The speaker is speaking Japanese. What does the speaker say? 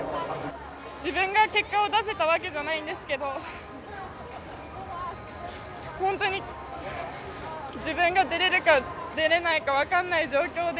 自分が結果を出せたわけじゃないんですけれども、自分が出れるか出れないかわからない状況で、